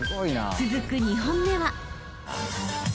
［続く２本目は］